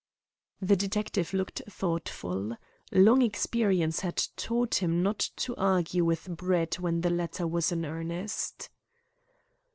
The detective looked thoughtful. Long experience had taught him not to argue with Brett when the latter was in earnest.